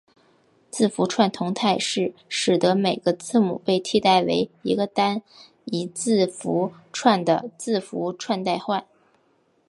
字符串同态是使得每个字母被替代为一个单一字符串的字符串代换。